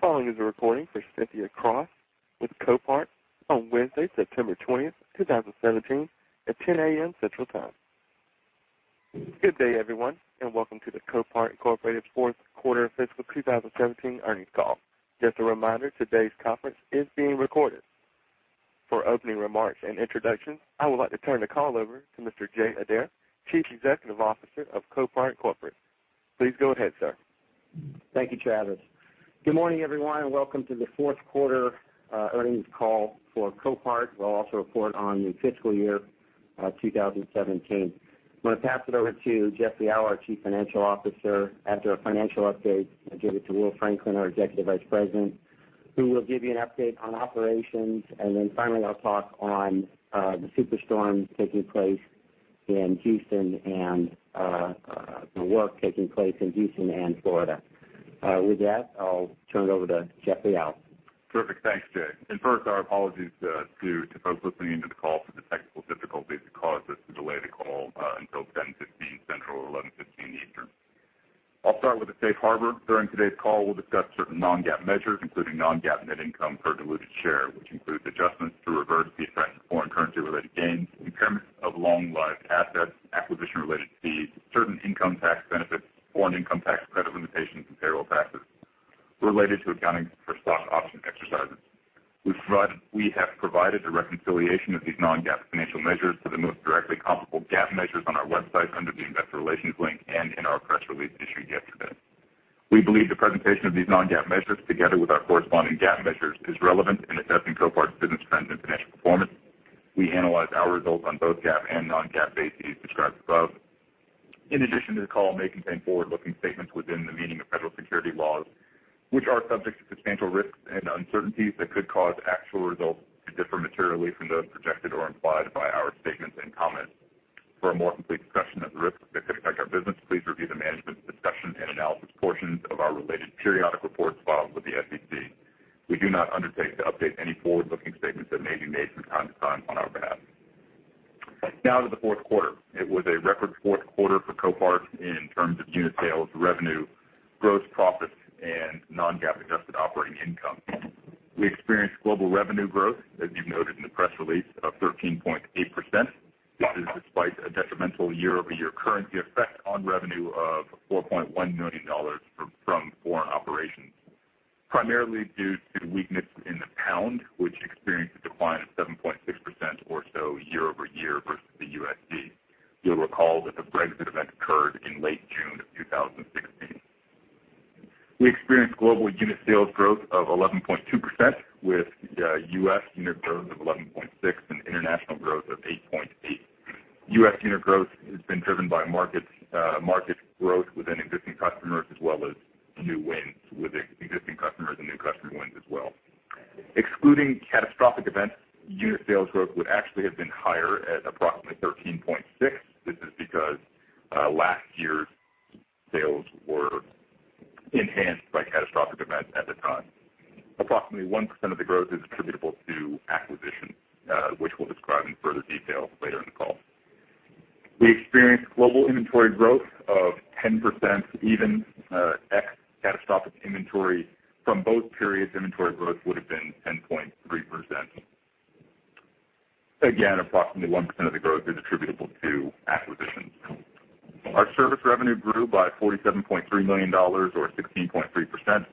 The following is a recording for Cynthia Cross with Copart on Wednesday, September 20th, 2017, at 10:00 A.M. Central Time. Good day, everyone, and welcome to the Copart Incorporated fourth quarter fiscal 2017 earnings call. Just a reminder, today's conference is being recorded. For opening remarks and introductions, I would like to turn the call over to Mr. Jay Adair, Chief Executive Officer of Copart Corporate. Please go ahead, sir. Thank you, Travis. Good morning, everyone, and welcome to the fourth quarter earnings call for Copart. We'll also report on the fiscal year 2017. I'm going to pass it over to Jeffrey Liaw, our Chief Financial Officer, after a financial update, and give it to Will Franklin, our Executive Vice President, who will give you an update on operations. Finally, I'll talk on the super storm taking place in Houston and the work taking place in Houston and Florida. With that, I'll turn it over to Jeffrey Liaw. Terrific. Thanks, Jay. First, our apologies to folks listening into the call for the technical difficulties that caused us to delay the call until 10:15 A.M. Central or 11:15 A.M. Eastern. I'll start with the Safe Harbor. During today's call, we'll discuss certain non-GAAP measures, including non-GAAP net income per diluted share, which includes adjustments to reverse the effect of foreign currency-related gains, impairment of long-lived assets, acquisition-related fees, certain income tax benefits, foreign income tax credit limitations, and payroll taxes related to accounting for stock option exercises. We have provided a reconciliation of these non-GAAP financial measures to the most directly comparable GAAP measures on our website under the Investor Relations link and in our press release issued yesterday. We believe the presentation of these non-GAAP measures, together with our corresponding GAAP measures, is relevant in assessing Copart's business trend and financial performance. We analyze our results on both GAAP and non-GAAP bases described above. In addition to the call may contain forward-looking statements within the meaning of federal securities laws, which are subject to substantial risks and uncertainties that could cause actual results to differ materially from those projected or implied by our statements and comments. For a more complete discussion of the risks that could affect our business, please review the management's discussion and analysis portions of our related periodic reports filed with the SEC. We do not undertake to update any forward-looking statements that may be made from time to time on our behalf. Now to the fourth quarter. It was a record fourth quarter for Copart in terms of unit sales, revenue, gross profits, and non-GAAP adjusted operating income. We experienced global revenue growth, as you've noted in the press release, of 13.8%. This is despite a detrimental year-over-year currency effect on revenue of $4.1 million from foreign operations, primarily due to weakness in the GBP, which experienced a decline of 7.6% or so year-over-year versus the USD. You'll recall that the Brexit event occurred in late June of 2016. We experienced global unit sales growth of 11.2%, with U.S. unit growth of 11.6 and international growth of 8.8. U.S. unit growth has been driven by market growth within existing customers as well as new wins with existing customers and new customer wins as well. Excluding catastrophic events, unit sales growth would actually have been higher at approximately 13.6. This is because last year's sales were enhanced by catastrophic events at the time. Approximately 1% of the growth is attributable to acquisitions, which we'll describe in further detail later in the call. We experienced global inventory growth of 10%, even ex catastrophic inventory. From both periods, inventory growth would have been 10.3%. Again, approximately 1% of the growth is attributable to acquisitions. Our service revenue grew by $47.3 million, or 16.3%,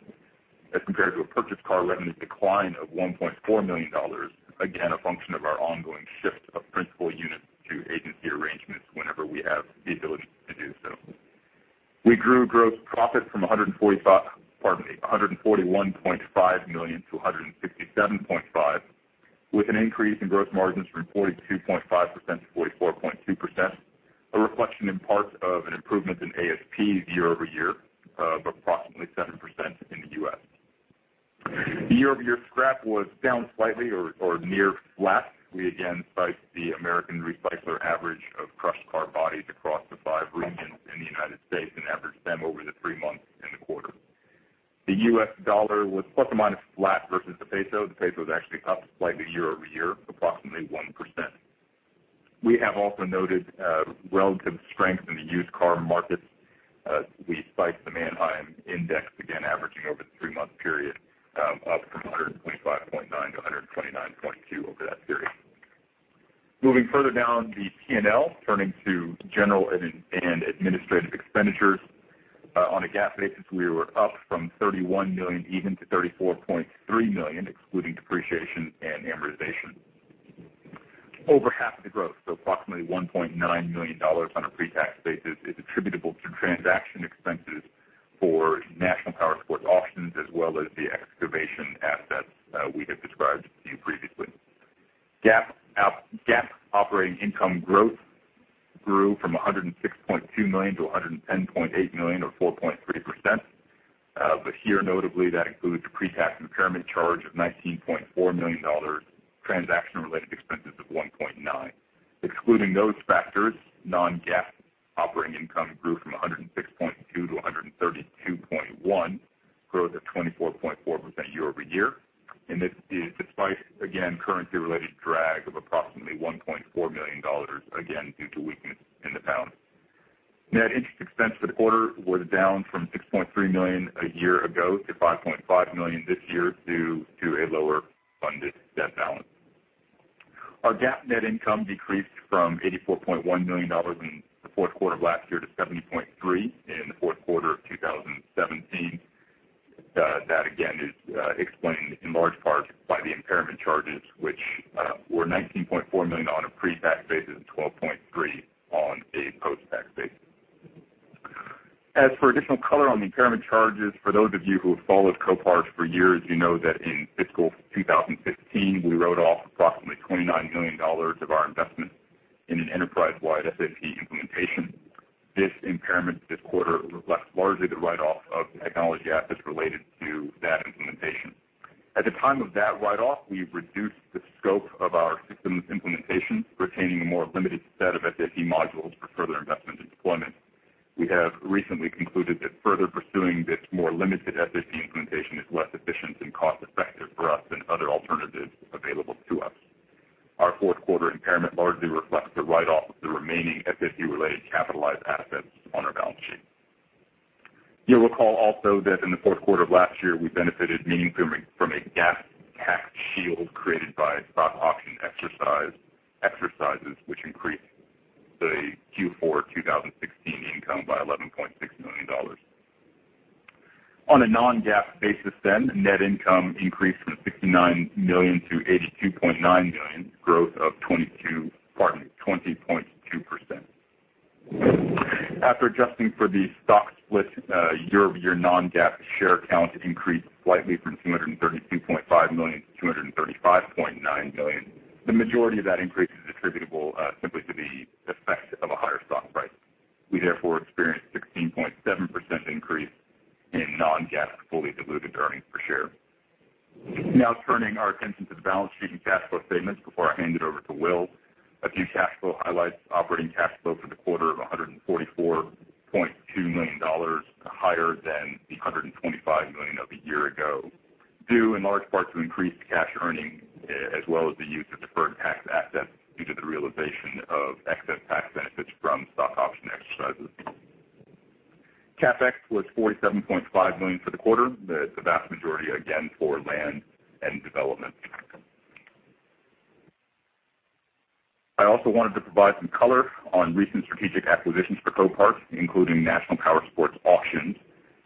as compared to a purchased car revenue decline of $1.4 million, 2015, we wrote off approximately $29 million of our investment in an enterprise-wide SAP implementation. This impairment this quarter reflects largely the write-off of technology assets related to that implementation. At the time of that write-off, we reduced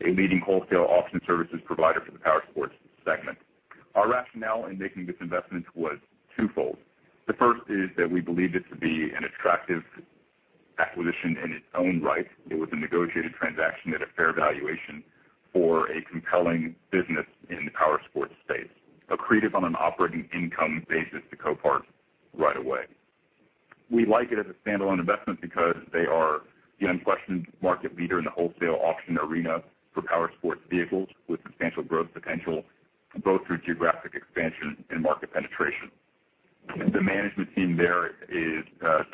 a leading wholesale auction services provider for the power sports segment. Our rationale in making this investment was twofold. The first is that we believe this to be an attractive acquisition in its own right. It was a negotiated transaction at a fair valuation for a compelling business in the power sports space, accretive on an operating income basis to Copart right away. We like it as a standalone investment because they are the unquestioned market leader in the wholesale auction arena for power sports vehicles with substantial growth potential, both through geographic expansion and market penetration. The management team there is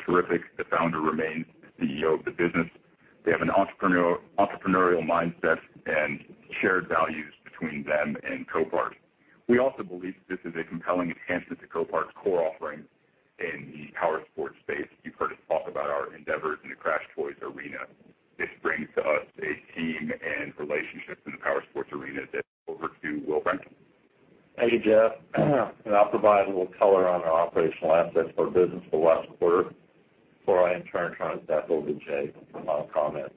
terrific. The founder remains the CEO of the business. They have an entrepreneurial mindset and shared values between them and Copart. We also believe this is a compelling enhancement to Copart's core offerings in the power sports space. You've heard us talk about our endeavors in the CrashedToys arena. Over to Will Franklin. Jeff. I'll provide a little color on our operational assets for business for the last quarter before I in turn turn it back over to Jay for final comments.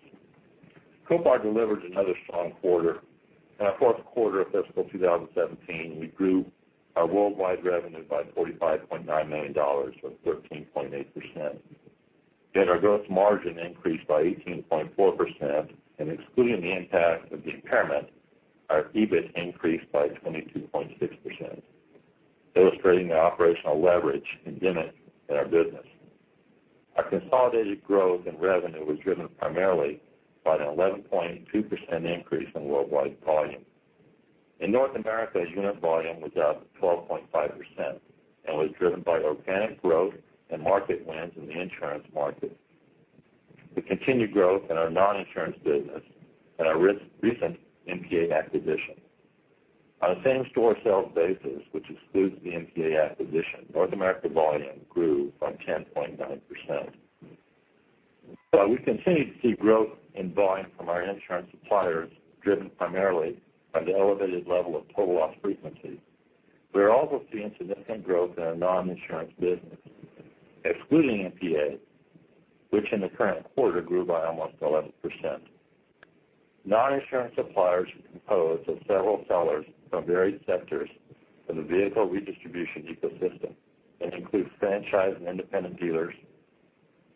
Copart delivered another strong quarter. In our fourth quarter of fiscal 2017, we grew our worldwide revenue by $45.9 million or 13.8%. Our gross margin increased by 18.4% and excluding the impact of the impairment, our EBIT increased by 22.6%, illustrating the operational leverage embedded in our business. Our consolidated growth in revenue was driven primarily by an 11.2% increase in worldwide volume. In North America, unit volume was up 12.5% and was driven by organic growth and market wins in the insurance market. The continued growth in our non-insurance business and our recent NPA acquisition. On a same-store sales basis, which excludes the NPA acquisition, North America volume grew by 10.9%. While we continue to see growth in volume from our insurance suppliers driven primarily by the elevated level of total loss frequency, we are also seeing significant growth in our non-insurance business, excluding NPA, which in the current quarter grew by almost 11%. Non-insurance suppliers are composed of several sellers from various sectors from the vehicle redistribution ecosystem and includes franchise and independent dealers,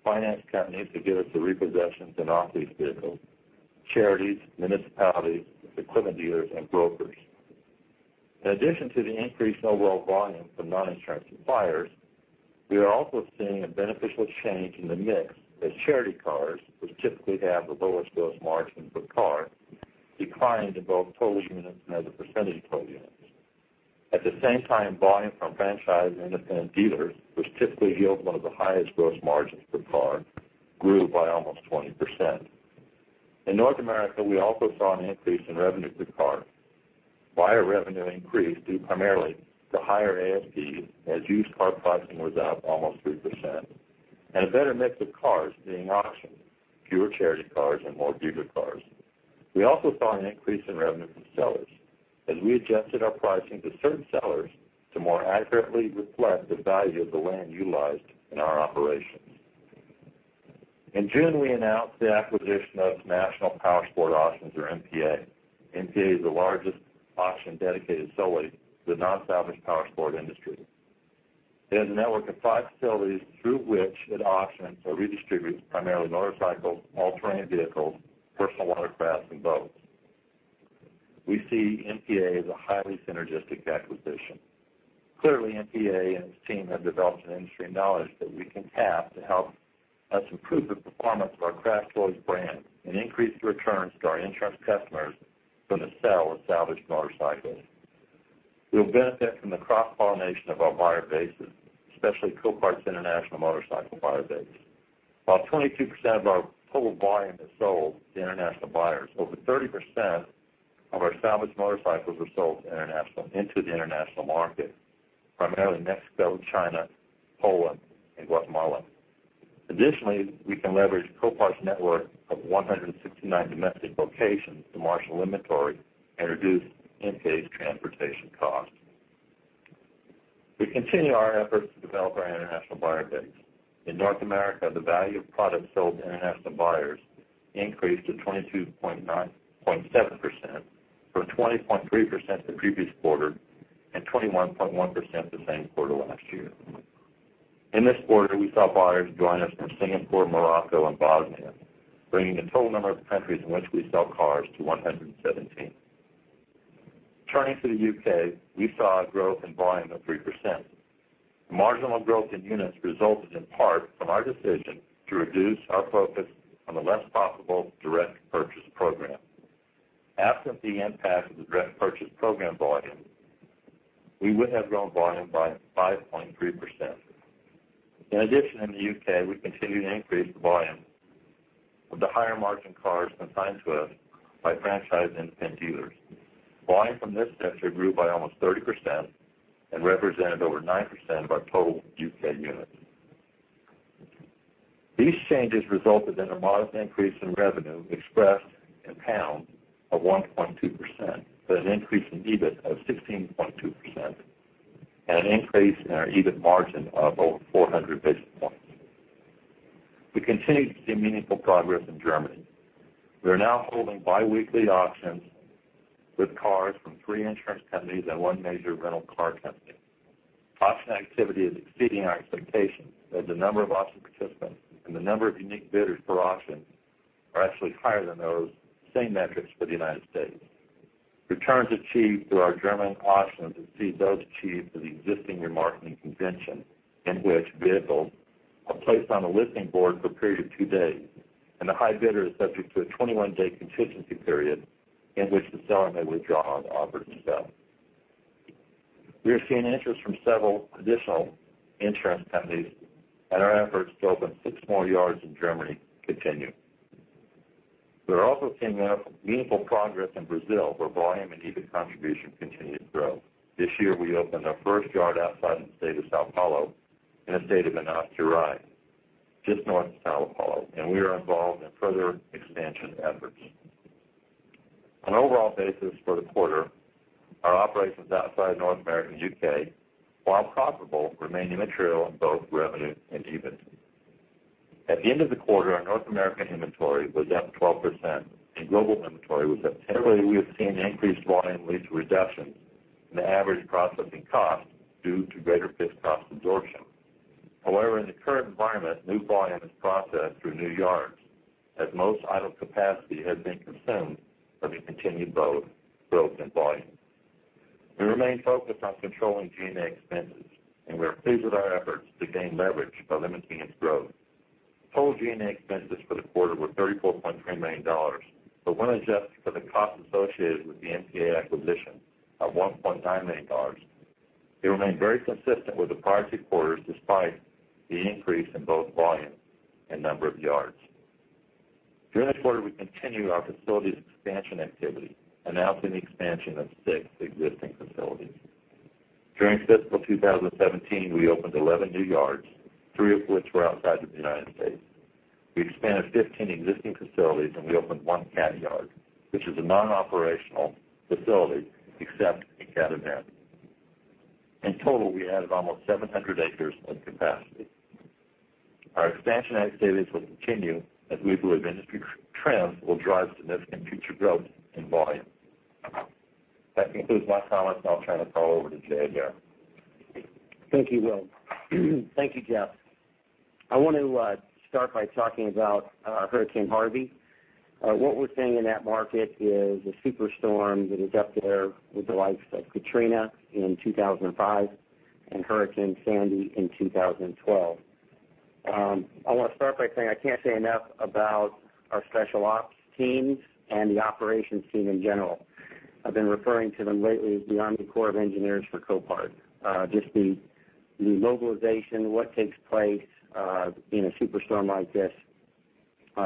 finance companies that give us the repossessions and off-lease vehicles, charities, municipalities, equipment dealers, and brokers. In addition to the increased overall volume from non-insurance suppliers, we are also seeing a beneficial change in the mix as charity cars, which typically have the lowest gross margin per car, declined in both total units and as a percentage of total units. At the same time, volume from franchise and independent dealers, which typically yield one of the highest gross margins per car, grew by almost 20%. In North America, we also saw an increase in revenue per car. Buyer revenue increased due primarily to higher ASP as used car pricing was up almost 3%, and a better mix of cars being auctioned, fewer charity cars and more dealer cars. We also saw an increase in revenue from sellers as we adjusted our pricing to certain sellers to more accurately reflect the value of the land utilized in our operations. In June, we announced the acquisition of National Powersport Auctions or NPA. NPA is the largest auction dedicated solely to the non-salvage powersport industry. It has a network of 5 facilities through which it auctions or redistributes primarily motorcycles, all-terrain vehicles, personal watercraft and boats. We see NPA as a highly synergistic acquisition. Clearly, NPA and its team have developed an industry knowledge that we can tap to help us improve the performance of our CrashedToys brand and increase the returns to our insurance customers from the sale of salvaged motorcycles. We'll benefit from the cross-pollination of our buyer bases, especially Copart's international motorcycle buyer base. While 22% of our total volume is sold to international buyers, over 30% of our salvaged motorcycles were sold into the international market, primarily Mexico, China, Poland, and Guatemala. Additionally, we can leverage Copart's network of 169 domestic locations to marshal inventory and reduce NPA's transportation costs. We continue our efforts to develop our international buyer base. In North America, the value of products sold to international buyers increased to 22.7%, from 20.3% the previous quarter and 21.1% the same quarter last year. In this quarter, we saw buyers join us from Singapore, Morocco, and Bosnia, bringing the total number of countries in which we sell cars to 117. Turning to the U.K., we saw a growth in volume of 3%. The marginal growth in units resulted in part from our decision to reduce our focus on the less profitable direct purchase program. Absent the impact of the direct purchase program volume, we would have grown volume by 5.3%. In addition, in the U.K., we continue to increase the volume of the higher margin cars consigned to us by franchised independent dealers. Volume from this sector grew by almost 30% and represented over 9% of our total U.K. units. These changes resulted in a modest increase in revenue expressed in GBP of 1.2%, but an increase in EBIT of 16.2% and an increase in our EBIT margin of over 400 basis points. We continue to see meaningful progress in Germany. We are now holding biweekly auctions with cars from three insurance companies and one major rental car company. Auction activity is exceeding our expectations as the number of auction participants and the number of unique bidders per auction are actually higher than those same metrics for the United States. Returns achieved through our German auctions exceed those achieved through the existing remarketing convention, in which vehicles are placed on a listing board for a period of two days, and the high bidder is subject to a 21-day contingency period in which the seller may withdraw the offer to sell. We are seeing interest from several additional insurance companies, and our efforts to open six more yards in Germany continue. We are also seeing meaningful progress in Brazil, where volume and EBIT contribution continue to grow. This year, we opened our first yard outside the state of São Paulo in the state of Minas Gerais, just north of São Paulo, and we are involved in further expansion efforts. On an overall basis for the quarter, our operations outside North America and U.K., while profitable, remain immaterial in both revenue and EBIT. At the end of the quarter, our North American inventory was up 12%, and global inventory was up 10%. We have seen increased volume lead to reductions in the average processing cost due to greater fixed cost absorption. However, in the current environment, new volume is processed through new yards as most idle capacity has been consumed by the continued growth in volume. We remain focused on controlling G&A expenses, and we are pleased with our efforts to gain leverage by limiting its growth. Total G&A expenses for the quarter were $34.3 million. But when adjusted for the costs associated with the NPA acquisition of $1.9 million, they remain very consistent with the prior two quarters, despite the increase in both volume and number of yards. During this quarter, we continued our facilities expansion activity, announcing the expansion of six existing facilities. During fiscal 2017, we opened 11 new yards, three of which were outside of the United States. We expanded 15 existing facilities, and we opened one cat yard, which is a non-operational facility except in cat event. In total, we added almost 700 acres of capacity. Our expansion activities will continue as we believe industry trends will drive significant future growth in volume. That concludes my comments, and I'll turn the call over to Jay Adir. Thank you, Will. Thank you, Jeff. I want to start by talking about Hurricane Harvey. What we're seeing in that market is a super storm that is up there with the likes of Hurricane Katrina in 2005 and Hurricane Sandy in 2012. I want to start by saying I can't say enough about our special ops teams and the operations team in general. I've been referring to them lately as the United States Army Corps of Engineers for Copart. Just the mobilization, what takes place in a super storm like this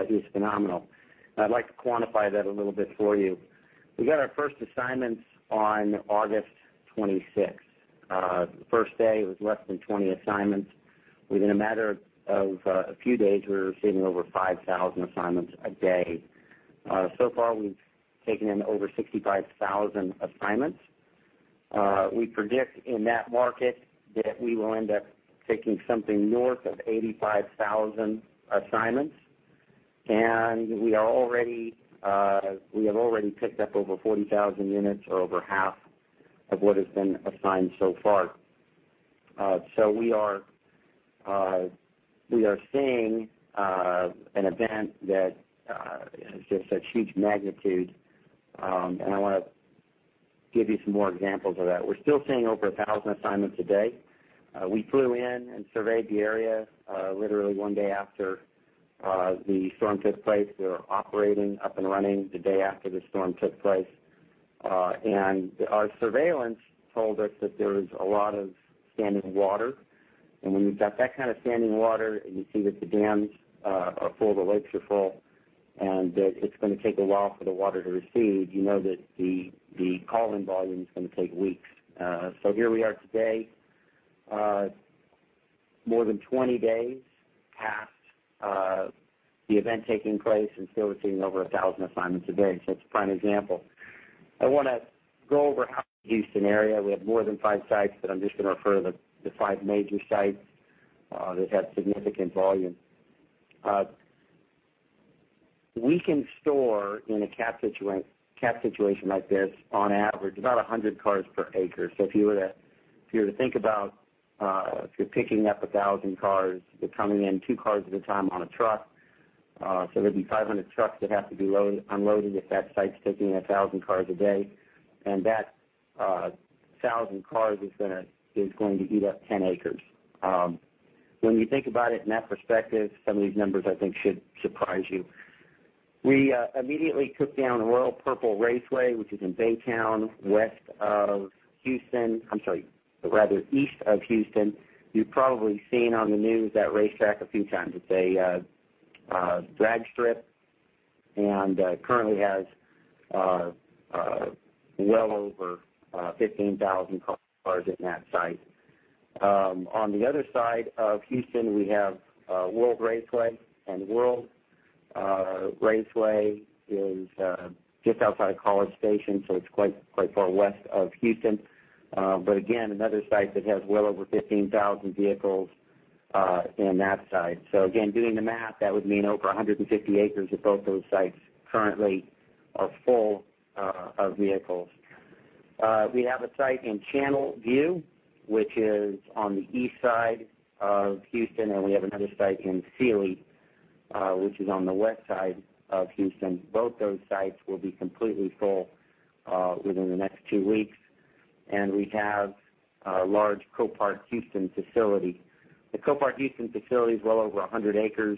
is phenomenal. I'd like to quantify that a little bit for you. We got our first assignments on August 26th. The first day, it was less than 20 assignments. Within a matter of a few days, we were seeing over 5,000 assignments a day. So far, we've taken in over 65,000 assignments. We predict in that market that we will end up taking something north of 85,000 assignments, and we have already picked up over 40,000 units or over half of what has been assigned so far. We are seeing an event that is just a huge magnitude, and I want to give you some more examples of that. We're still seeing over 1,000 assignments a day. We flew in and surveyed the area literally one day after the storm took place. We were operating up and running the day after the storm took place. Our surveillance told us that there was a lot of standing water. When you've got that kind of standing water and you see that the dams are full, the lakes are full, and that it's going to take a while for the water to recede, you know that the call-in volume is going to take weeks. Here we are today, more than 20 days past the event taking place, and still we're seeing over 1,000 assignments a day. It's a prime example. I want to go over how the Houston area. We have more than five sites, but I'm just going to refer to the five major sites that have significant volume. We can store in a cat situation like this, on average, about 100 cars per acre. If you were to think about if you're picking up 1,000 cars, they're coming in two cars at a time on a truck. There'd be 500 trucks that have to be unloaded if that site's taking 1,000 cars a day, and that 1,000 cars is going to eat up 10 acres. When you think about it in that perspective, some of these numbers, I think, should surprise you. We immediately took down Royal Purple Raceway, which is in Baytown, west of Houston. I'm sorry, rather east of Houston. You've probably seen on the news that racetrack a few times. It's a drag strip and currently has well over 15,000 cars in that site. On the other side of Houston, we have World Raceway, and World Raceway is just outside College Station, so it's quite far west of Houston. Again, another site that has well over 15,000 vehicles in that site. Again, doing the math, that would mean over 150 acres of both those sites currently are full of vehicles. We have a site in Channelview, which is on the east side of Houston, and we have another site in Sealy, which is on the west side of Houston. Both those sites will be completely full within the next 2 weeks. We have a large Copart Houston facility. The Copart Houston facility is well over 100 acres,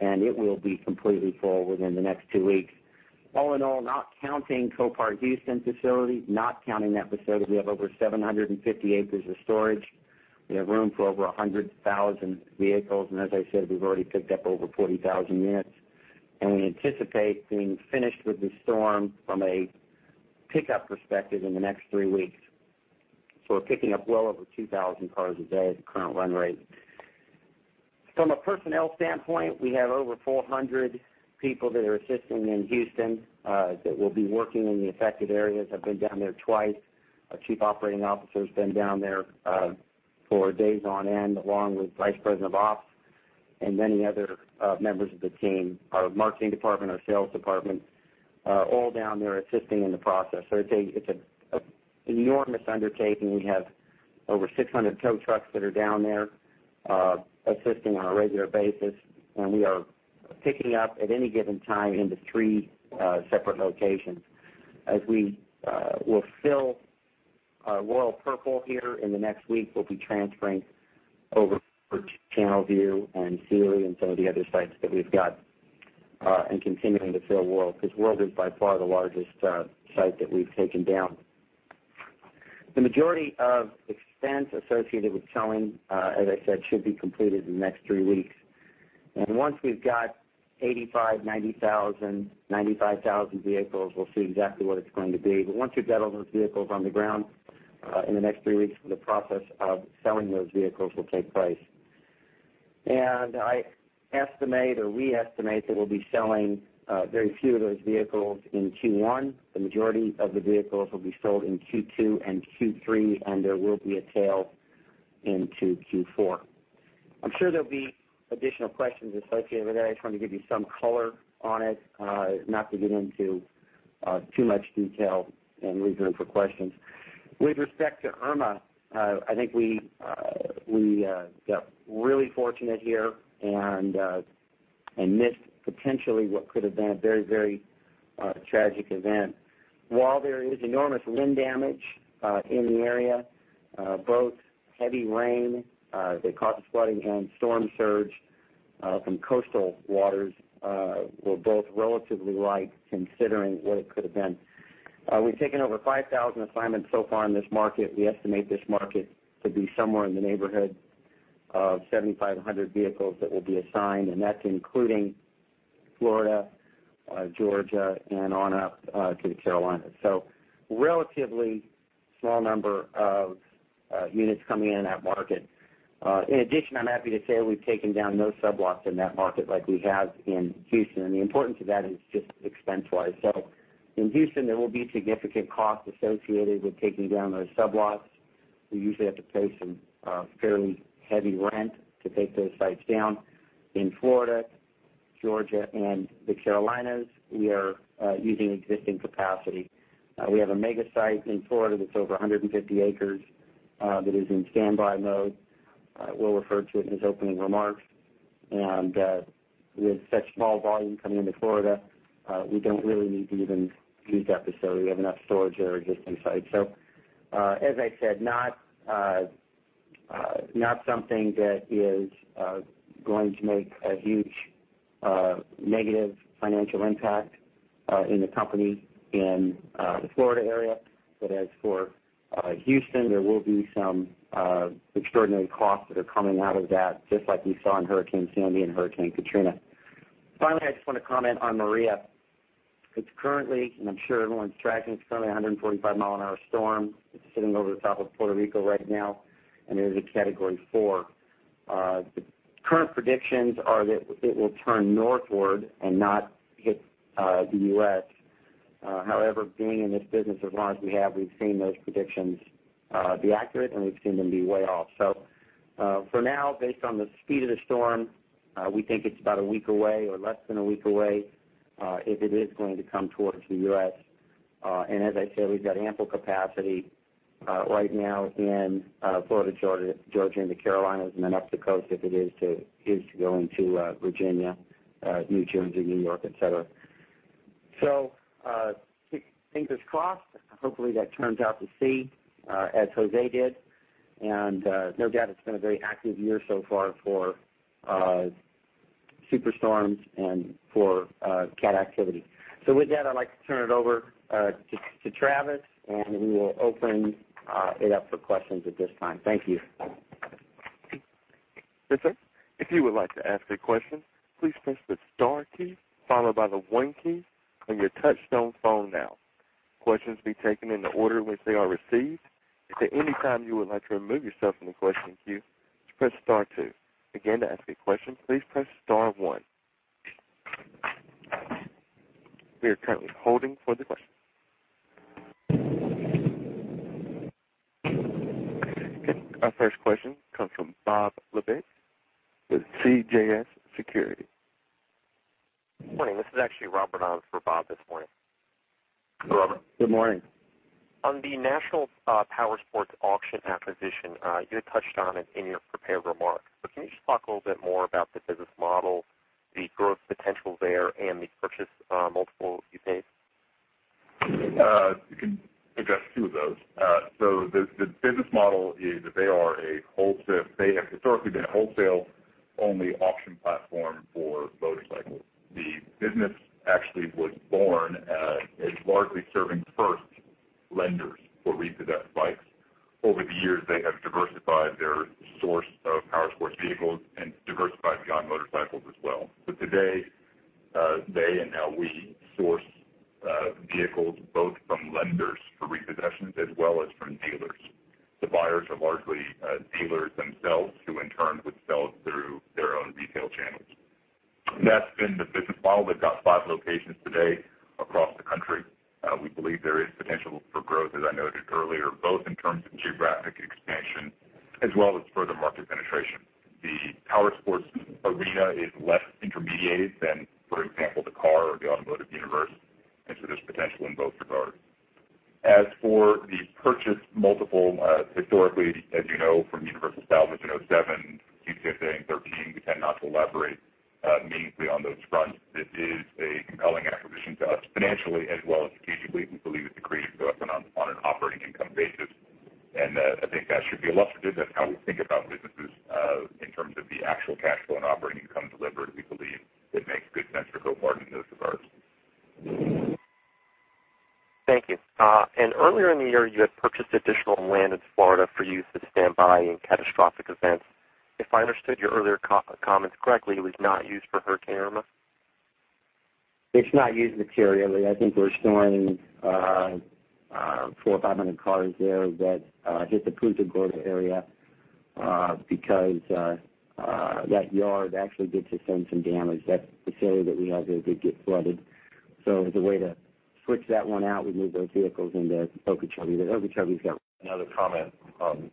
and it will be completely full within the next 2 weeks. All in all, not counting Copart Houston facility, not counting that facility, we have over 750 acres of storage. We have room for over 100,000 vehicles, and as I said, we've already picked up over 40,000 units. We anticipate being finished with the storm from a pickup perspective in the next 3 weeks. We're picking up well over 2,000 cars a day at the current run rate. From a personnel standpoint, we have over 400 people that are assisting in Houston, that will be working in the affected areas. I've been down there twice. Our Chief Operating Officer's been down there for days on end, along with vice president of ops and many other members of the team. Our marketing department, our sales department are all down there assisting in the process. It's an enormous undertaking. We have over 600 tow trucks that are down there assisting on a regular basis, and we are picking up at any given time into 3 separate locations. As we will fill our Royal Purple here in the next week, we'll be transferring over to Channelview and Sealy and some of the other sites that we've got, and continuing to fill World, because World is by far the largest site that we've taken down. The majority of expense associated with towing, as I said, should be completed in the next 3 weeks. Once we've got 85,000, 90,000, 95,000 vehicles, we'll see exactly what it's going to be. Once we've got all those vehicles on the ground, in the next 3 weeks, the process of selling those vehicles will take place. I estimate or we estimate that we'll be selling very few of those vehicles in Q1. The majority of the vehicles will be sold in Q2 and Q3, and there will be a tail into Q4. I'm sure there'll be additional questions associated with that. I just wanted to give you some color on it. Not to get into too much detail and leave room for questions. With respect to Irma, I think we got really fortunate here and missed potentially what could have been a very tragic event. While there is enormous wind damage in the area, both heavy rain that caused flooding and storm surge From coastal waters were both relatively light considering what it could have been. We've taken over 5,000 assignments so far in this market. We estimate this market to be somewhere in the neighborhood of 7,500 vehicles that will be assigned, and that's including Florida, Georgia, and on up to the Carolinas. Relatively small number of units coming in in that market. In addition, I'm happy to say we've taken down no sublots in that market like we have in Houston, and the importance of that is just expense-wise. In Houston, there will be significant costs associated with taking down those sublots. We usually have to pay some fairly heavy rent to take those sites down. In Florida, Georgia, and the Carolinas, we are using existing capacity. We have a mega site in Florida that's over 150 acres, that is in standby mode. Will refer to it in his opening remarks. With such small volume coming into Florida, we don't really need to even use that facility. We have enough storage at our existing site. As I said, not something that is going to make a huge negative financial impact in the company in the Florida area. As for Houston, there will be some extraordinary costs that are coming out of that, just like we saw in Hurricane Sandy and Hurricane Katrina. Finally, I just want to comment on Maria. It's currently, and I'm sure everyone's tracking, it's currently a 145 mile an hour storm. It's sitting over the top of Puerto Rico right now, and it is a category 4. The current predictions are that it will turn northward and not hit the U.S. However, being in this business as long as we have, we've seen those predictions be accurate, and we've seen them be way off. For now, based on the speed of the storm, we think it's about a week away or less than a week away, if it is going to come towards the U.S. As I said, we've got ample capacity right now in Florida, Georgia, and the Carolinas, then up the coast if it is to go into Virginia, New Jersey, New York, et cetera. Fingers crossed. Hopefully, that turns out to sea as Jose did. No doubt it's been a very active year so far for super storms and for cat activity. With that, I'd like to turn it over to Travis, we will open it up for questions at this time. Thank you. Sir, if you would like to ask a question, please press the star key followed by the 1 key on your touchtone phone now. Questions will be taken in the order in which they are received. If at any time you would like to remove yourself from the question queue, just press star 2. Again, to ask a question, please press star 1. We are currently holding for the questions. Our first question comes from Bob Labick with CJS Securities. Morning. This is actually Robert on for Bob this morning. Hey, Robert. Good morning. On the National Powersport Auctions acquisition, you had touched on it in your prepared remarks, but can you just talk a little bit more about the business model, the growth potential there, and the purchase multiple you paid? You can address two of those. The business model is that they have historically been a wholesale-only auction platform for motorcycles. The business actually was born as largely serving first lenders for repossessed bikes. Over the years, they have diversified their source of powersports vehicles and diversified beyond motorcycles as well. Today, they and now we source vehicles both from lenders for repossessions as well as from dealers. The buyers are largely dealers themselves who in turn would sell through their own retail channels. That's been the business model. They've got five locations today across the country. We believe there is potential for growth, as I noted earlier, both in terms of geographic expansion as well as further market penetration. The powersports arena is less intermediated than, for example, the car or the automotive universe. There's potential in both regards. As for the purchase multiple, historically, as you know from Universal Salvage between 2007 through 2013, we tend not to elaborate meaningfully on those fronts. This is a compelling acquisition to us financially as well as strategically. We believe it's accretive to us on an operating income basis, and I think that should be illustrative. That's how we think about businesses in terms of the actual cash flow and operating income delivered. We believe it makes good sense for Copart in those regards. Thank you. Earlier in the year, you had purchased additional land in Florida for use as standby in catastrophic events. If I understood your earlier comments correctly, it was not used for Hurricane Irma? It's not used materially. I think we're storing 400 or 500 cars there that hit the Punta Gorda area because that yard actually did sustain some damage. The facility that we have there did get flooded. As a way to switch that one out, we moved those vehicles into Okeechobee. Another comment on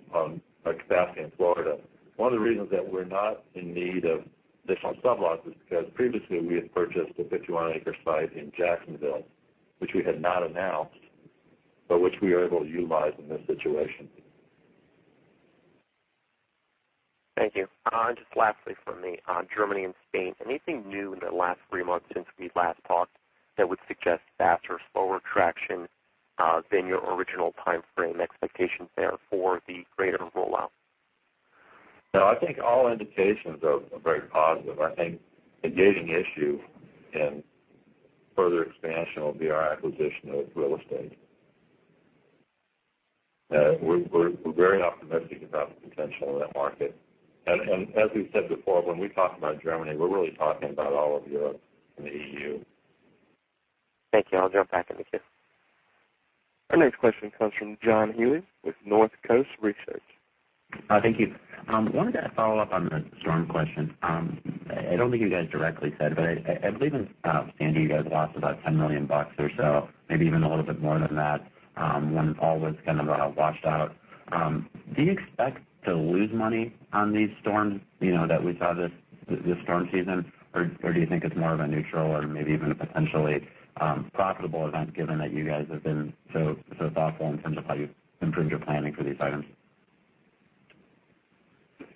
our capacity in Florida. One of the reasons that we're not in need of additional sublots is because previously we had purchased a 51-acre site in Jacksonville, which we had not announced, but which we are able to utilize in this situation. Thank you. Just lastly from me, Germany and Spain. Anything new in the last three months since we last talked that would suggest faster or slower traction than your original timeframe expectations there for the greater rollout. No, I think all indications are very positive. I think the gating issue in further expansion will be our acquisition of real estate. We're very optimistic about the potential in that market. As we've said before, when we talk about Germany, we're really talking about all of Europe and the EU. Thank you. I'll drop back in the queue. Our next question comes from John Healy with Northcoast Research. Thank you. I wanted to follow up on the storm question. I don't think you guys directly said, but I believe in Sandy, you guys lost about $10 million or so, maybe even a little bit more than that, when all was kind of washed out. Do you expect to lose money on these storms, that we saw this storm season? Or do you think it's more of a neutral or maybe even potentially profitable event, given that you guys have been so thoughtful in terms of how you've improved your planning for these items?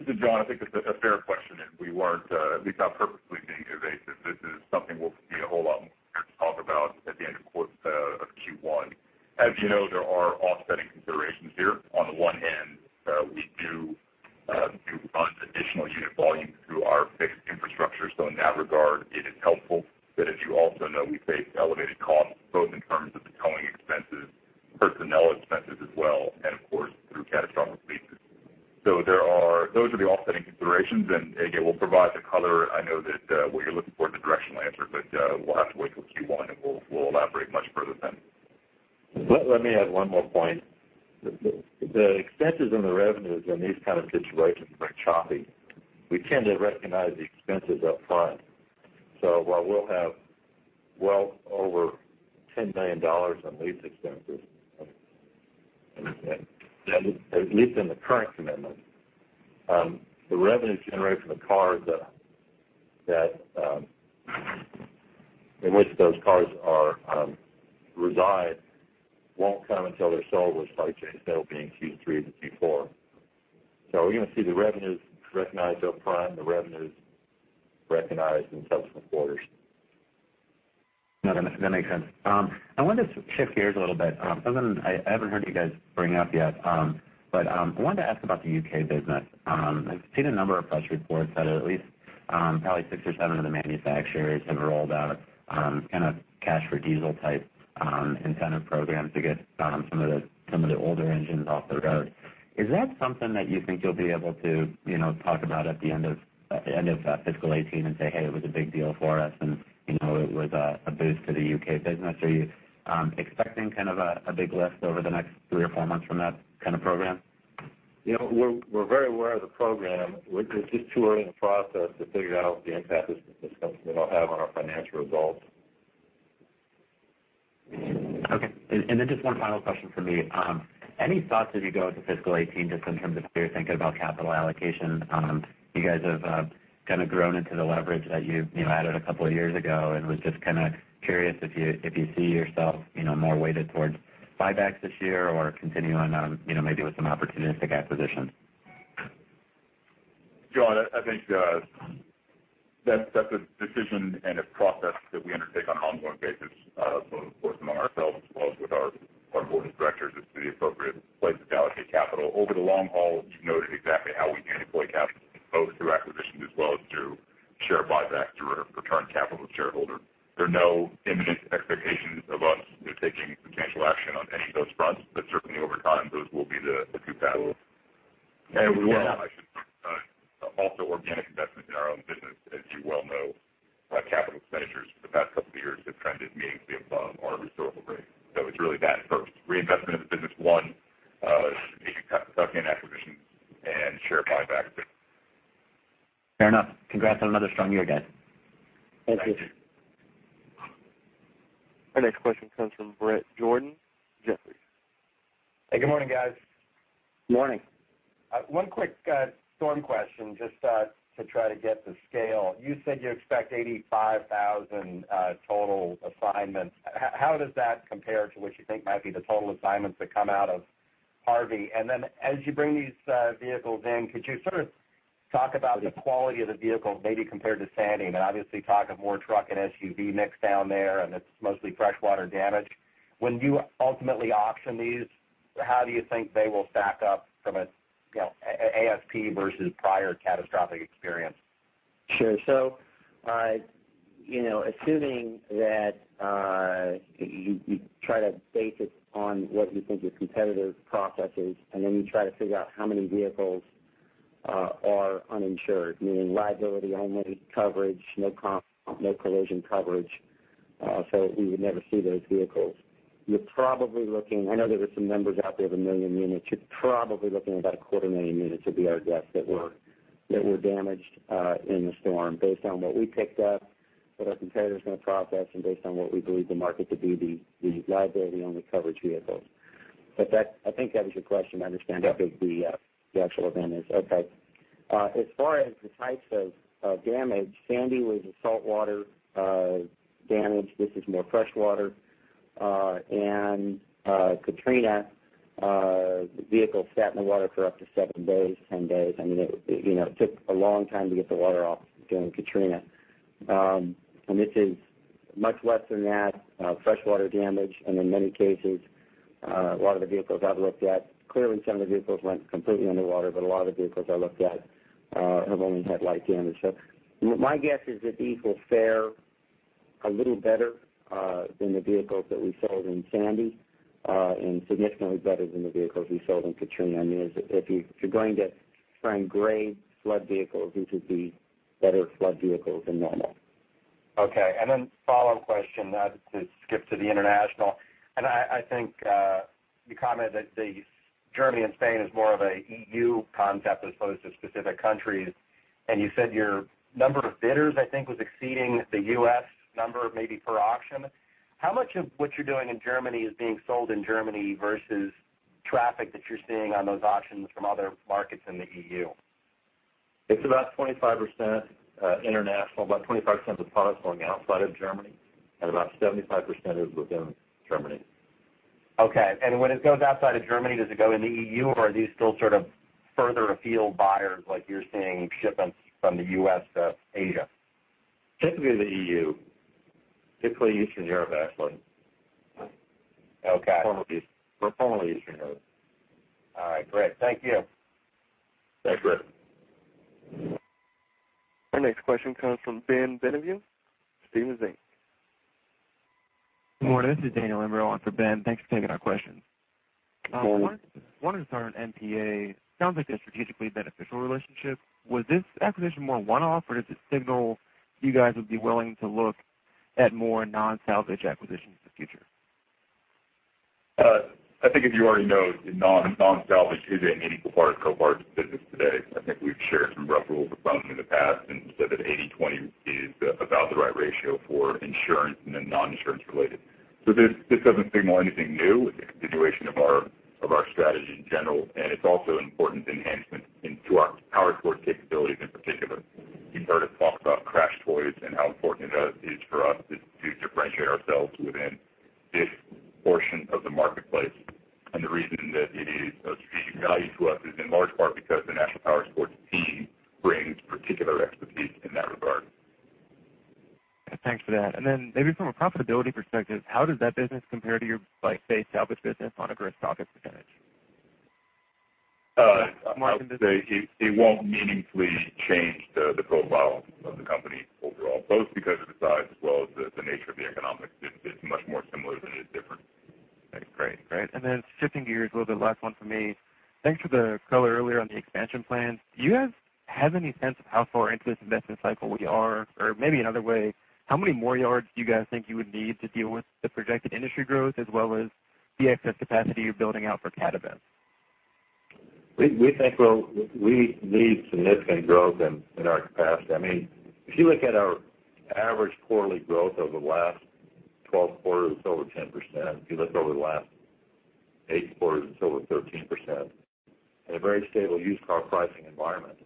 This is John. I think it's a fair question. We weren't, at least not purposely, being evasive. This is something we'll be a whole lot more clear to talk about at the end of Q1. As you know, there are offsetting considerations here. On the one hand, we do run additional unit volume through our fixed infrastructure. In that regard, it is helpful. As you also know, we face elevated costs, both in terms of the towing expenses, personnel expenses as well, and of course, through catastrophic leases. Those are the offsetting considerations, and again, we'll provide the color. I know that what you're looking for is a directional answer, we'll have to wait till Q1, and we'll elaborate much further then. Let me add one more point. The expenses and the revenues in these kind of situations are very choppy. We tend to recognize the expenses up front. While we'll have well over $10 million on lease expenses, at least in the current commitment, the revenues generated from the cars in which those cars reside won't come until they're sold, which might change. That'll be in Q3 to Q4. We're going to see the revenues recognized up front, the revenues recognized in subsequent quarters. No, that makes sense. I wanted to shift gears a little bit. Something I haven't heard you guys bring up yet, but I wanted to ask about the U.K. business. I've seen a number of press reports that are at least probably six or seven of the manufacturers have rolled out kind of cash for diesel type incentive programs to get some of the older engines off the road. Is that something that you think you'll be able to talk about at the end of fiscal 2018 and say, "Hey, it was a big deal for us, and it was a boost to the U.K. business." Are you expecting kind of a big lift over the next three or four months from that kind of program? We're very aware of the program. We're just too early in the process to figure out the impact this is going to have on our financial results. Okay. Just one final question from me. Any thoughts as you go into fiscal 2018, just in terms of how you're thinking about capital allocation? You guys have kind of grown into the leverage that you added a couple of years ago, and was just kind of curious if you see yourself more weighted towards buybacks this year or continuing on maybe with some opportunistic acquisitions. John, I think that's a decision and a process that we undertake on an ongoing basis, both, of course, among ourselves as well as with our board of directors as to the appropriate place to allocate capital. Over the long haul, you've noted exactly how we can deploy capital, both through acquisitions as well as through share buybacks or return capital to shareholder. There are no imminent expectations of us taking potential action on any of those fronts. Certainly over time, those will be the two paths. And we will- I should also add organic investment in our own business, as you well know, our capital expenditures for the past couple of years have trended meaningfully above our historical rate. It's really that first, reinvestment in the business, one, tuck-in acquisitions, and share buybacks. Fair enough. Congrats on another strong year, guys. Thank you. Our next question comes from Bret Jordan, Jefferies. Hey, good morning, guys. Morning. One quick storm question, just to try to get the scale. You said you expect 85,000 total assignments. How does that compare to what you think might be the total assignments that come out of Harvey? When you ultimately auction these, how do you think they will stack up from an ASP versus prior catastrophic experience? Sure. Assuming that you try to base it on what you think your competitive process is, and then you try to figure out how many vehicles are uninsured, meaning liability-only coverage, no collision coverage, so we would never see those vehicles. I know there were some numbers out there of 1 million units. You're probably looking at about a quarter of a million units would be our guess, that were damaged in the storm based on what we picked up, what our competitors are going to process, and based on what we believe the market to be the liability-only coverage vehicles. I think that was your question. Yep what the actual event is. Okay. As far as the types of damage, Sandy was a saltwater damage. This is more freshwater. Katrina The vehicle sat in the water for up to seven days, 10 days. It took a long time to get the water off during Katrina. This is much less than that, freshwater damage, and in many cases, a lot of the vehicles I've looked at, clearly some of the vehicles went completely underwater, but a lot of the vehicles I looked at have only had light damage. My guess is that these will fare a little better than the vehicles that we sold in Sandy, and significantly better than the vehicles we sold in Katrina. If you're going to find great flood vehicles, these would be better flood vehicles than normal. Okay, follow-up question now to skip to the international. I think you commented that the Germany and Spain is more of a EU concept as opposed to specific countries, and you said your number of bidders, I think, was exceeding the U.S. number maybe per auction. How much of what you're doing in Germany is being sold in Germany versus traffic that you're seeing on those auctions from other markets in the EU? It's about 25% international, about 25% of the product going outside of Germany, and about 75% is within Germany. Okay. When it goes outside of Germany, does it go in the EU, or are these still sort of further afield buyers like you're seeing shipments from the U.S. to Asia? Typically the EU. Typically Eastern Europe, actually. Okay. Primarily Eastern Europe. All right, great. Thank you. Thanks, Bret. Our next question comes from Ben Benavides, Stephens Inc. Good morning. This is Daniel Imbro on for Ben. Thanks for taking our questions. Morning. Wanted to start on NPA. Sounds like a strategically beneficial relationship. Was this acquisition more one-off, or does it signal you guys would be willing to look at more non-salvage acquisitions in the future? I think if you already know, non-salvage is a meaningful part of Copart's business today. I think we've shared some rough rules of thumb in the past and said that 80/20 is about the right ratio for insurance and then non-insurance related. This doesn't signal anything new. It's a continuation of our strategy in general, and it's also an important enhancement into our powersport capabilities in particular. You've heard us talk about CrashedToys and how important it is for us to differentiate ourselves within this portion of the marketplace. The reason that it is of strategic value to us is in large part because the National Powersport team brings particular expertise in that regard. Thanks for that. Maybe from a profitability perspective, how does that business compare to your base salvage business on a gross profit percentage? I would say it won't meaningfully change the profile of the company overall, both because of the size as well as the nature of the economics. It's much more similar than it is different. Great. Shifting gears a little bit, last one from me. Thanks for the color earlier on the expansion plans. Do you guys have any sense of how far into this investment cycle we are, or maybe another way, how many more yards do you guys think you would need to deal with the projected industry growth as well as the excess capacity you're building out for cat events? We think we need significant growth in our capacity. If you look at our average quarterly growth over the last 12 quarters, it's over 10%. If you looked over the last eight quarters, it's over 13%, in a very stable used car pricing environment.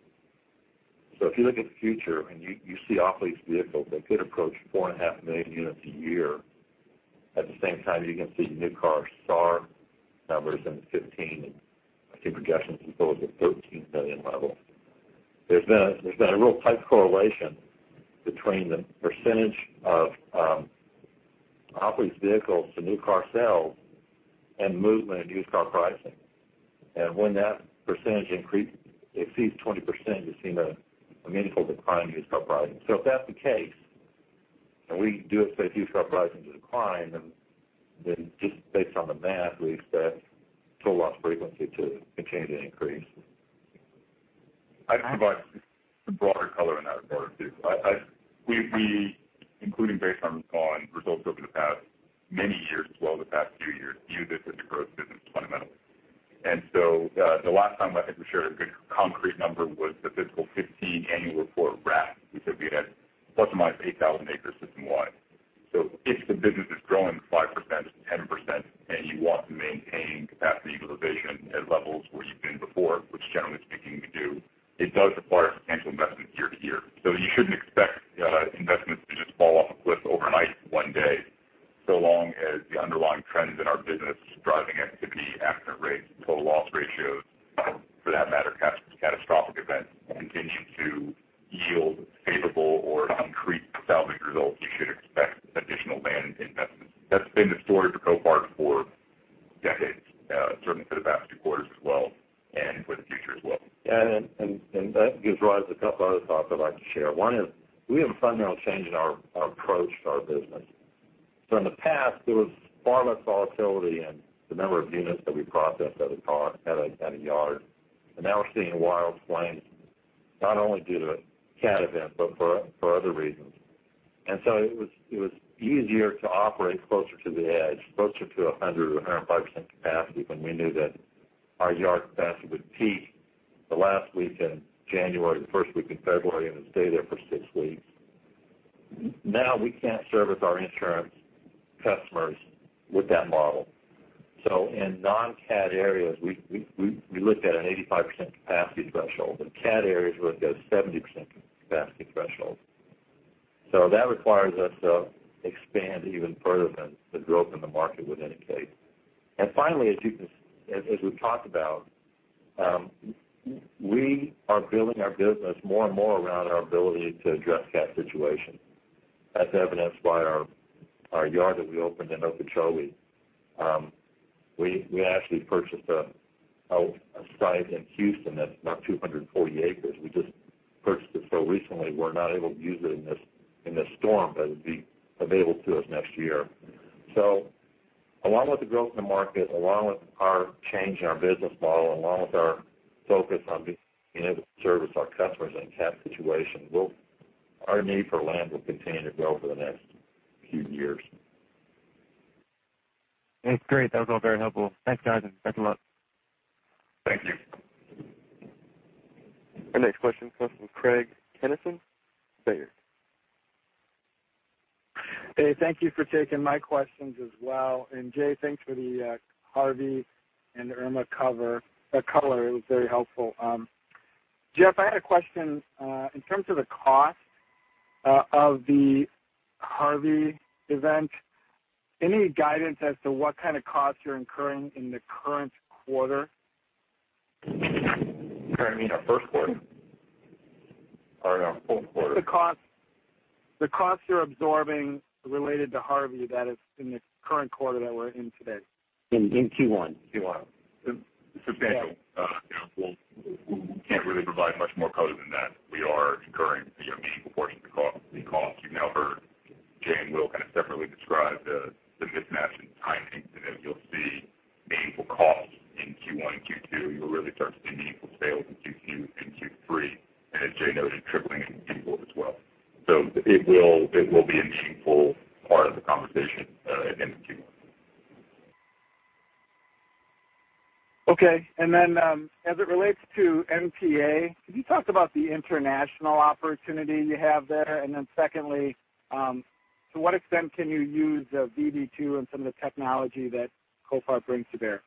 If you look at the future and you see off-lease vehicles that could approach 4.5 million units a year. At the same time, you can see new car SAR numbers in 2015, and I think projections can go as a 13 million level. There's been a real tight correlation between the percentage of off-lease vehicles to new car sales and movement in used car pricing. When that percentage exceeds 20%, you've seen a meaningful decline in used car pricing. If that's the case, and we do expect used car pricing to decline, just based on the math, we expect total loss frequency to continue to increase. I'd provide some broader color on that as well, too. We, including based on results over the past many years as well as the past few years, view this as a growth business fundamentally. The last time I think we shared a good concrete number was the fiscal 2015 annual report wrap. We said we had ±8,000 acres system wide. If the business is growing 5%, 10%, and you want to maintain capacity utilization at levels where you've been before, which generally speaking we do, it does require substantial investment year to year. You shouldn't expect investments to just fall off a cliff overnight one day. Long as the underlying trends in our business driving activity, accident rates, total loss ratios, for that matter, catastrophic events, continue to yield favorable or concrete salvage results, you should expect additional land investments. That's been the story for Copart for decades, certainly for the past few quarters as well, and for the future as well. That gives rise to a couple other thoughts I'd like to share. One is we have a fundamental change in our approach to our business. In the past, there was far less volatility in the number of units that we processed at a yard. Now we're seeing wild swings, not only due to cat events, but for other reasons. It was easier to operate closer to the edge, closer to 100% or 105% capacity when we knew that our yard capacity would peak the last week in January, the first week in February, and then stay there for six weeks. Now we can't service our insurance customers with that model. In non-cat areas, we looked at an 85% capacity threshold. In cat areas, we looked at a 70% capacity threshold. That requires us to expand even further than the growth in the market would indicate. Finally, as we've talked about, we are building our business more and more around our ability to address cat situations. That's evidenced by our yard that we opened in Okeechobee. We actually purchased a site in Houston that's about 240 acres. We just purchased it so recently we're not able to use it in this storm, but it'll be available to us next year. Along with the growth in the market, along with our change in our business model, along with our focus on being able to service our customers in cat situations, our need for land will continue to grow for the next few years. That's great. That was all very helpful. Thanks, guys. Thanks a lot. Thank you. Our next question comes from Craig Kennison, Baird. Hey, thank you for taking my questions as well. Jay, thanks for the Hurricane Harvey and Hurricane Irma color. It was very helpful. Jeff, I had a question. In terms of the cost of the Hurricane Harvey event, any guidance as to what kind of cost you're incurring in the current quarter? You mean our first quarter or our fourth quarter? The cost you're absorbing related to Hurricane Harvey, that is in the current quarter that we're in today. In Q1. Q1. Substantial. We can't really provide much more color than that. We are incurring a meaningful portion of the cost. You've now heard Jay and Will kind of separately describe the mismatch in timing. You'll see meaningful costs in Q1 and Q2. You'll really start to see meaningful sales in Q2 and Q3, and as Jay noted, tripling in Q4 as well. It will be a meaningful part of the conversation in Q1. Okay. As it relates to NPA, can you talk about the international opportunity you have there? Secondly, to what extent can you use VB2 and some of the technology that Copart brings to bear?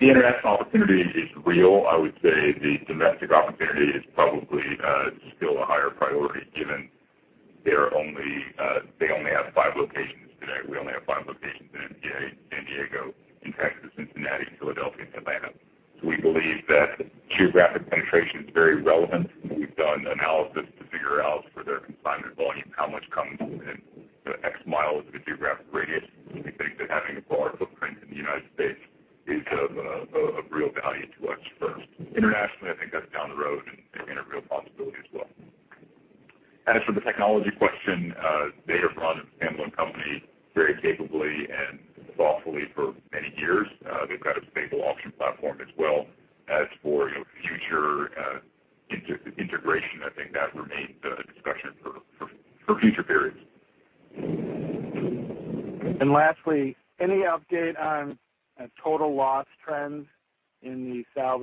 The international opportunity is real. I would say the domestic opportunity is probably still a higher priority given they only have five locations today. We only have five locations in NPA: San Diego, in Texas, Cincinnati, Philadelphia, and Atlanta. We believe that geographic penetration is very relevant, and we've done analysis to figure out for their consignment volume, how much comes within X miles of a geographic radius. We think that having a broader footprint in the U.S. is of real value to us first. Internationally, I think that's down the road and a real possibility as well. As for the technology question, they have run a family company very capably and thoughtfully for many years.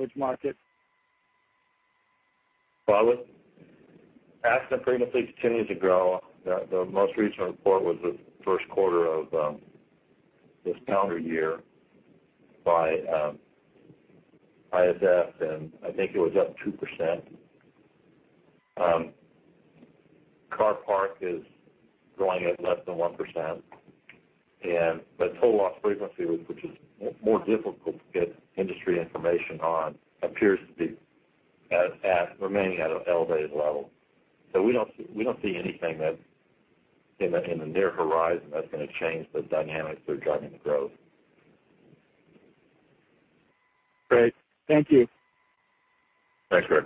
They've got a stable auction platform as well. As for future integration, I think that remains a discussion for future periods. lastly, any update on total loss trends in the salvage market? Well, accident frequency continues to grow. The most recent report was the first quarter of this calendar year by ISF, and I think it was up 2%. Copart is growing at less than 1%. total loss frequency, which is more difficult to get industry information on, appears to be remaining at an elevated level. We don't see anything in the near horizon that's going to change the dynamics that are driving the growth. Great. Thank you. Thanks, Craig.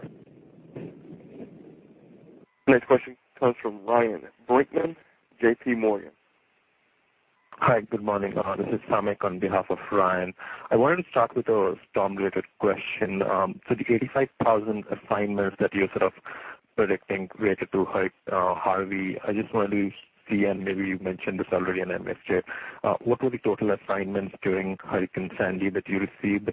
Next question comes from Ryan Brinkman, JPMorgan. Hi, good morning. This is Samik on behalf of Ryan. I wanted to start with a storm-related question. The 85,000 assignments that you're sort of predicting related to Hurricane Harvey, I just wanted to see, and maybe you mentioned this already, and I missed it. What were the total assignments during Hurricane Sandy that you received?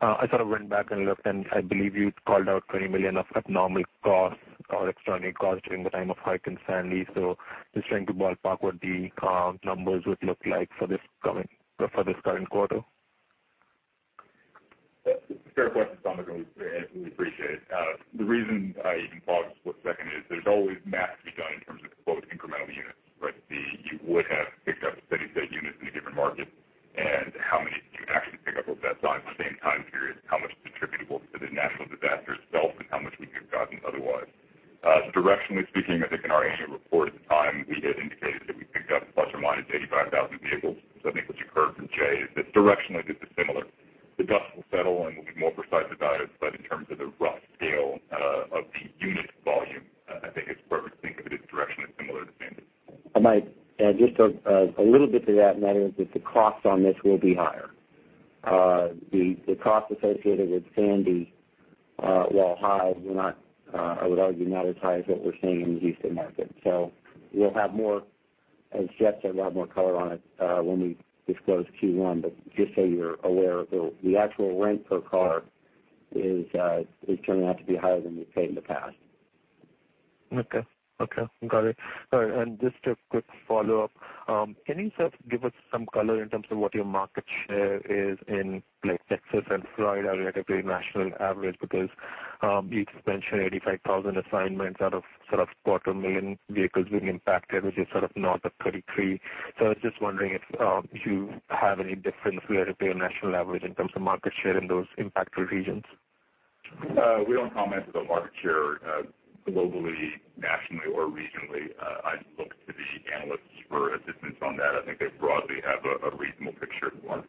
I sort of went back and looked, and I believe you called out $20 million of abnormal costs or extraordinary costs during the time of Hurricane Sandy. Just trying to ballpark what the numbers would look like for this current quarter. Fair question, Samik, and we appreciate it. The reason I even paused for a second is there's always math to be done in terms of quote, incremental units, right? You would have picked up a steady state unit in a given market and how many did you actually pick up over that time, the same time period, how much is attributable to the natural disaster itself and how much we could have gotten otherwise. Directionally speaking, I think in our annual report at the time, we had indicated that we picked up ±85,000 vehicles. I think what you heard from Jay is that directionally, this is similar. The dust will settle, and we'll be more precise about it. In terms of the rough scale of the unit volume, I think it's appropriate to think of it as directionally similar to Sandy. I might add just a little bit to that, and that is that the cost on this will be higher. The cost associated with Sandy, while high, I would argue not as high as what we're seeing in the Houston market. We'll have more, as Jeff said, a lot more color on it when we disclose Q1. Just so you're aware, the actual rent per car is turning out to be higher than we've paid in the past. Okay. Got it. All right. Just a quick follow-up. Can you sort of give us some color in terms of what your market share is in places like Texas and Florida relative to the national average? You just mentioned 85,000 assignments out of sort of quarter million vehicles being impacted, which is sort of north of 33. I was just wondering if you have any different repair national average in terms of market share in those impacted regions. We don't comment about market share globally, nationally, or regionally. I'd look to the analysts for assistance on that. I think they broadly have a reasonable picture at large.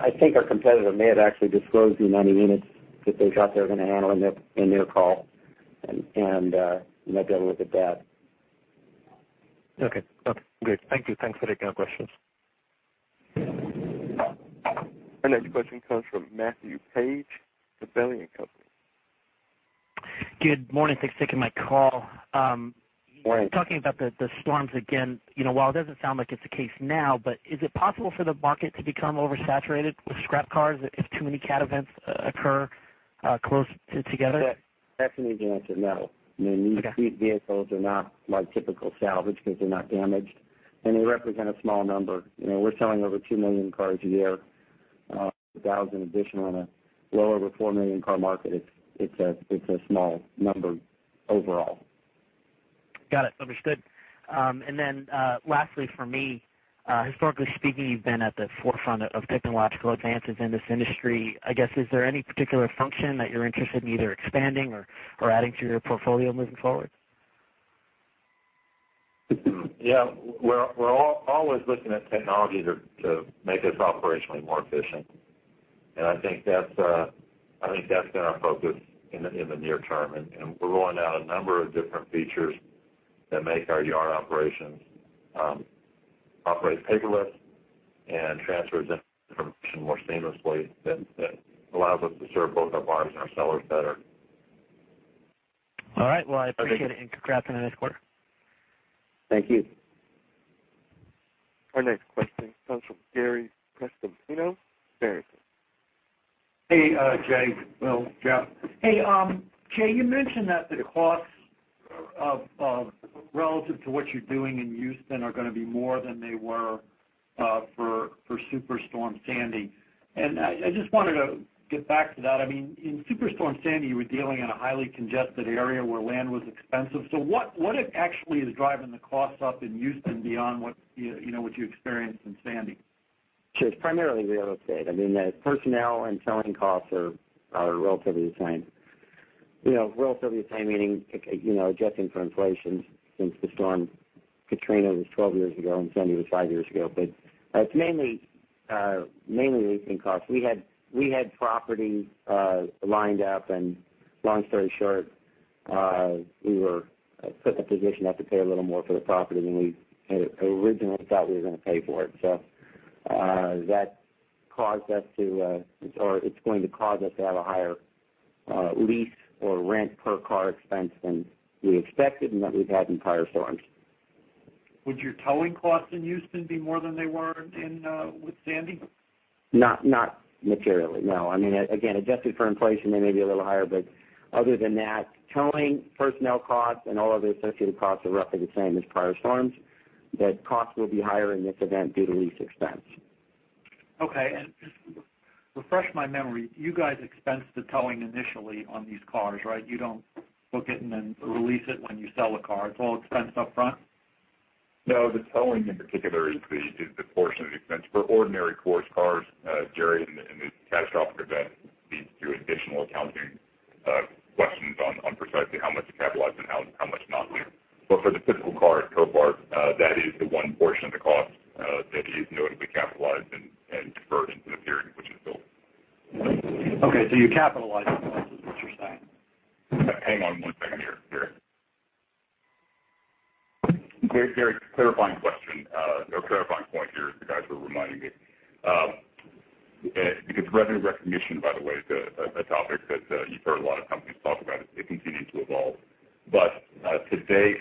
I think our competitor may have actually disclosed the amount of units that they thought they were going to handle in their call, you might be able to look at that. Okay. Great. Thank you. Thanks for taking our questions. Our next question comes from Matthew Page, Gabelli & Company. Good morning. Thanks for taking my call. Morning. Talking about the storms again. While it doesn't sound like it's the case now, is it possible for the market to become oversaturated with scrap cars if too many cat events occur close together? That's an easy answer. No. Okay. These vehicles are not like typical salvage because they're not damaged, and they represent a small number. We're selling over 2 million cars a year, 1,000 additional in a low over 4 million car market. It's a small number overall. Got it. Understood. Then, lastly from me, historically speaking, you've been at the forefront of technological advances in this industry. I guess, is there any particular function that you're interested in either expanding or adding to your portfolio moving forward? Yeah. We're always looking at technology to make us operationally more efficient. I think that's been our focus in the near term, we're rolling out a number of different features that make our yard operations operate paperless and transfer information more seamlessly that allows us to serve both our buyers and our sellers better. All right. Well, I appreciate it. Congrats on the next quarter. Thank you. Our next question comes from Jerry Costantino, Barings. Hey, Jay, Will, Jeff. Hey, Jay, you mentioned that the costs relative to what you're doing in Houston are going to be more than they were for Hurricane Sandy. I just wanted to get back to that. I mean, in Hurricane Sandy, you were dealing in a highly congested area where land was expensive. What actually is driving the costs up in Houston beyond what you experienced in Sandy? Sure. It's primarily real estate. I mean, the personnel and selling costs are relatively the same. Relatively the same, meaning adjusting for inflation since the storm. Hurricane Katrina was 12 years ago, and Hurricane Sandy was five years ago. It's mainly leasing costs. We had property lined up, and long story short, we were put in the position to have to pay a little more for the property than we had originally thought we were going to pay for it. That caused us to, or it's going to cause us to have a higher lease or rent per car expense than we expected and that we've had in prior storms. Would your towing costs in Houston be more than they were with Sandy? Not materially, no. I mean, again, adjusted for inflation, they may be a little higher, but other than that, towing, personnel costs, and all other associated costs are roughly the same as prior storms. The costs will be higher in this event due to lease expense. Okay. Just refresh my memory. You guys expense the towing initially on these cars, right? You don't book it and then release it when you sell a car. It's all expensed up front? No, the towing in particular is the portion of the expense for ordinary course cars, Jerry, in this catastrophic event leads to additional accounting questions on precisely how much to capitalize and how much not to. For the typical car at Copart, that is the one portion of the cost that is notably capitalized and deferred into the period in which it's built. Okay. You capitalize the cost is what you're saying? Hang on one second here, Jerry. Jerry, clarifying question or clarifying point here. The guys were reminding me. Revenue recognition, by the way, is a topic that you've heard a lot of companies talk about. It's continuing to evolve. Today